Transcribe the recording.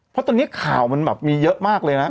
เพราะตอนนี้ข่าวมันแบบมีเยอะมากเลยนะ